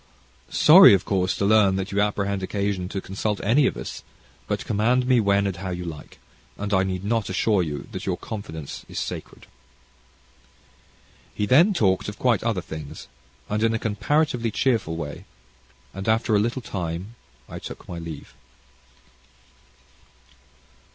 "Sorry, of course, to learn that you apprehend occasion to consult any of us; but, command me when and how you like, and I need not assure you that your confidence is sacred." He then talked of quite other things, and in a comparatively cheerful way and after a little time, I took my leave.